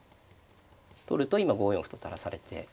取ると今５四歩と垂らされて。